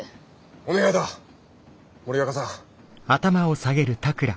お願いだ森若さん。